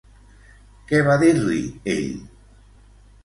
Què va dir-li ell?